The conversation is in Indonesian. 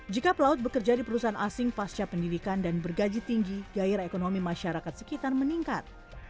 jika pelaut bekerja di perusahaan asing pasca pendidikan dan bergaji tinggi gaya ekonomi masyarakat sekitar meningkat